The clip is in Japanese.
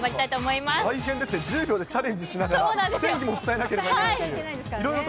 ま大変ですね、１０秒でチャレンジしながら天気も伝えなければいけないと。